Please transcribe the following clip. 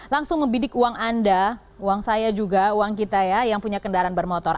langsung membidik uang anda uang saya juga uang kita ya yang punya kendaraan bermotor